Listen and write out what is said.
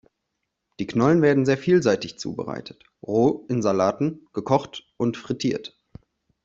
Die Knollen werden sehr vielseitig zubereitet: roh in Salaten, gekocht und frittiert.